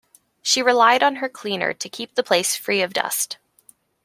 She relied on her cleaner to keep the place free of dust.